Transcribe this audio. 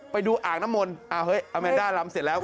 อ่างน้ำมนต์อาแมนด้าลำเสร็จแล้ว